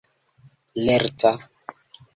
lerta